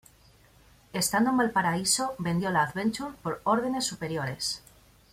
Estando en Valparaíso vendió la "Adventure" por órdenes superiores.